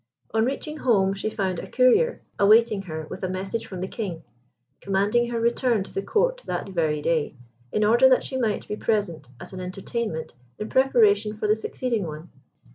On reaching home she found a courier awaiting her with a message from the King, commanding her return to the Court that very day, in order that she might be present at an entertainment in preparation for the succeeding one.